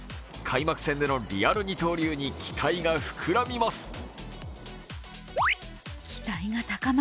開幕戦でのリアル二刀流に期待が膨らみます。